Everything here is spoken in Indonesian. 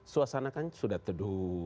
suasana kan sudah teduh